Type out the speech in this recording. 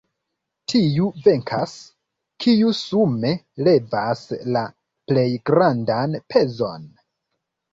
Tiu venkas, kiu sume levas la plej grandan pezon.